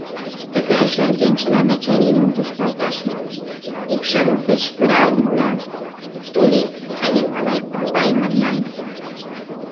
Тыгай шаргенчылан ачалӱмым тушкалташ мо — икшывым кычкыралмыла, «Толик» але «малай-колой» манман.